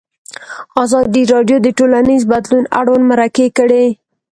ازادي راډیو د ټولنیز بدلون اړوند مرکې کړي.